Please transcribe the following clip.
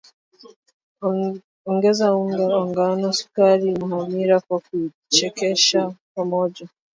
Ongeza unga wa ngano sukari na hamira kwa kuchekecha pamoja